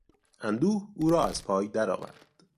اندوه او را از پای درآورد.